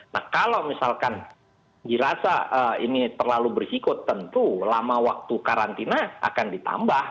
nah kalau misalkan dirasa ini terlalu bersikut tentu lama waktu karantina akan ditambah